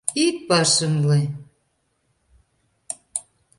Ит пашымле!